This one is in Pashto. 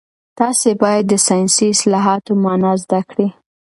تاسي باید د ساینسي اصطلاحاتو مانا زده کړئ.